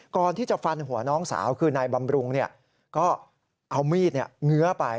ก่อนที่จะฟันหัวน้องสาวคือนายบำรุงก็เอามีดเงื้อไป